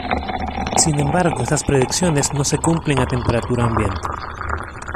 Sin embargo estas predicciones no se cumplen a temperatura ambiente.